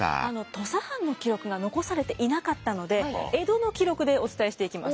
土佐藩の記録が残されていなかったので江戸の記録でお伝えしていきます。